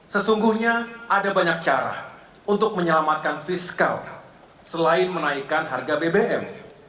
sesungguhnya ada banyak cara untuk menyelamatkan fiskal selain menaikkan harga bbm